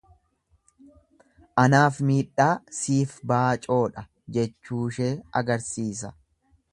Anaaf miidhaa siif baacoodha jechuushee agarsiisa.